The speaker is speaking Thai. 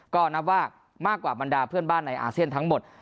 ก็นับว่ามากกว่าบรรดาเพื่อนบ้านในอาเซียนทั้งหมด